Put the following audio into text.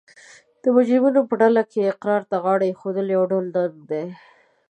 د مجرمینو په ډله کې اقرار ته غاړه ایښول یو ډول ننګ دی